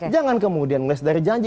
jangan kemudian meleset dari janji